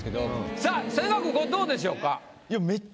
さぁ千賀君これどうでしょうか？